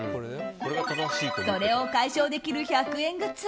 それを解消できる１００円グッズ